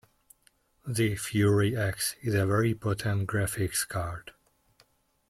The Fury X is a very potent graphics card.